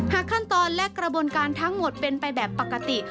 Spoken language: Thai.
ขั้นตอนและกระบวนการทั้งหมดเป็นไปแบบปกติ